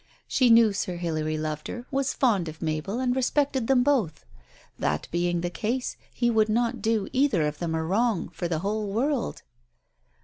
She knew Sir Hilary loved her, was fond of Mabel, and respected them both. That being the case, he would not do either of them a wrong for the whole world.